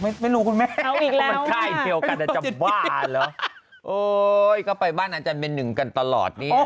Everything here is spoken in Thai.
ไม่รู้คุณแม่เขามันค่ายเดียวกันอาจจะบ้าเหรอโอ้ยก็ไปบ้านอาจารย์เป็นหนึ่งกันตลอดนี่